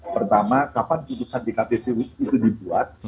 pertama kapan putusan dkpp itu dibuat